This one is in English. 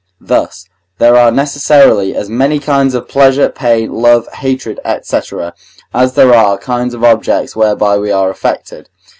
Thus, there are necessarily as many kinds of pleasure, pain, love, hatred, &c., as there are kinds of objects whereby we are affected.